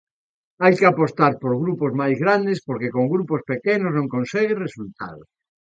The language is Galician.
Hai que apostar por grupos máis grandes porque con grupos pequenos non consegues resultados.